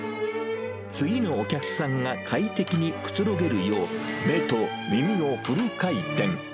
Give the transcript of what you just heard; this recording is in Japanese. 次のお客さんが快適にくつろげるよう、目と耳をフル回転。